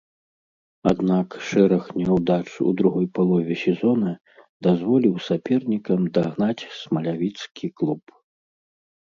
Аднак, шэраг няўдач у другой палове сезона дазволіў сапернікам дагнаць смалявіцкі клуб.